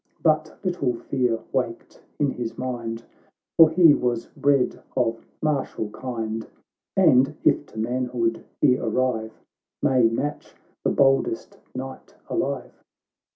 But little fear waked in bis mind, For he was bred of martial kind, And, if to manbood he arrive, May match the boldest knight alive.